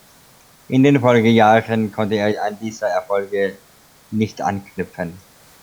In den Folgejahren konnte er an diese Erfolge nicht anknüpfen.